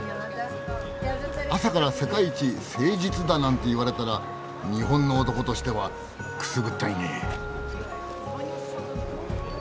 朝から「世界一誠実」だなんて言われたら日本の男としてはくすぐったいねえ。